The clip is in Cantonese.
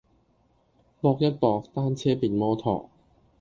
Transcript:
搏一搏，單車變摩托